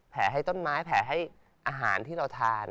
ให้ต้นไม้แผลให้อาหารที่เราทาน